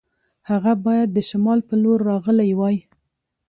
هغه باید د شمال په لور راغلی وای.